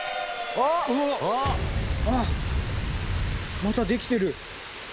あっまたできてる！